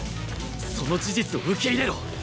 その事実を受け入れろ！